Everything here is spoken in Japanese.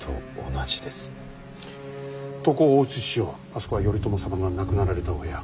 あそこは頼朝様が亡くなられたお部屋。